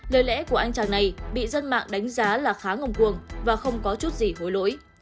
lời lẽ của anh tràng này bị dân mạng đánh giá là khá ngông cuồng và không có chút gì hối lỗi